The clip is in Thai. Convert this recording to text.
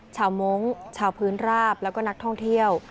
มงค์ชาวพื้นราบแล้วก็นักท่องเที่ยว